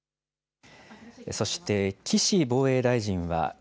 そして、岸防衛大臣は。